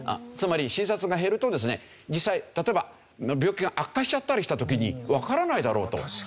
つまり診察が減るとですね実際例えば病気が悪化しちゃったりした時にわからないだろうと。